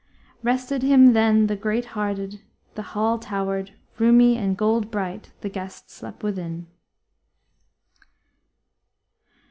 Rested him then the great hearted; the hall towered Roomy and gold bright, the guest slept within.